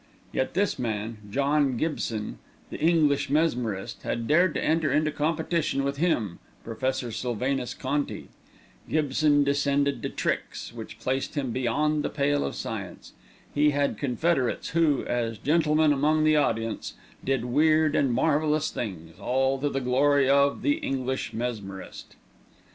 Yet this man, John Gibson, "the English Mesmerist," had dared to enter into competition with him, Professor Sylvanus Conti. Gibson descended to tricks, which placed him beyond the pale of science. He had confederates who, as "gentlemen among the audience," did weird and marvellous things, all to the glory of "the English Mesmerist."